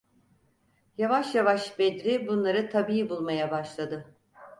Yavaş yavaş Bedri bunları tabii bulmaya başladı.